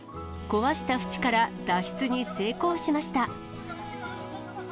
壊した縁から脱出に成功しました。